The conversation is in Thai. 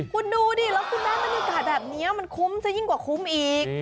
คุณดูดิแล้วคุณได้บรรยากาศแบบนี้มันคุ้มซะยิ่งกว่าคุ้มอีก